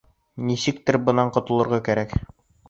Нисек тә бынан ҡотолорға кәрәк.